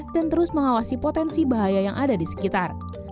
dan terus mengawasi potensi bahaya yang ada di sekitar